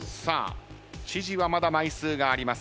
知事はまだ枚数があります。